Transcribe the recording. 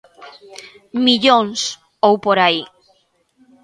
Millóns... ou por aí...